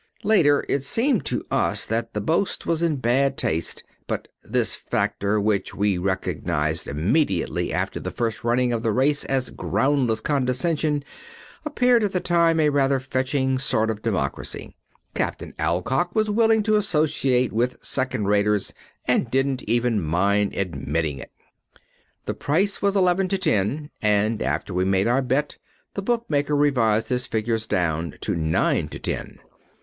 Later it seemed to us that the boast was in bad taste, but this factor, which we recognized immediately after the running of the first race as groundless condescension, appeared at the time a rather fetching sort of democracy. Captain Alcock was willing to associate with second raters and didn't even mind admitting it. The price was eleven to ten, and after we made our bet the bookmaker revised his figures down to nine to ten.